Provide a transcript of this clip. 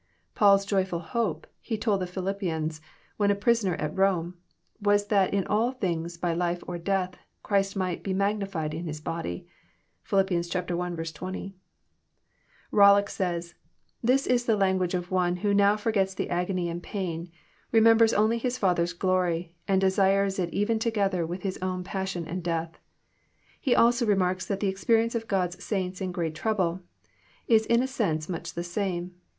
Paul's Joyfbl hope, he told the Phillpplans, when a prisoner at Rome, was *' that in all things, by life or by death, Christ might be magnified in his body." (Philip 1. 20.) Bollock says :*< This is the language of one who now forgets the agony and pain, remembers only His Father's glory, and desires it even together with His own passion and death." — He also remarks that the experience of God's saints in great trouble, is in a sense much the same.